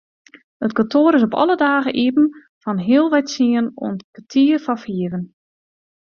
It kantoar is alle dagen iepen fan healwei tsienen oant kertier foar fiven.